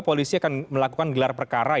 polisi akan melakukan gelar perkara